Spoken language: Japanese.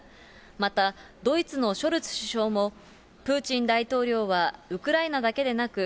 また、ドイツのショルツ首相も、プーチン大統領はウクライナだけでなく、